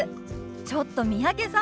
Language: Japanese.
ちょっと三宅さん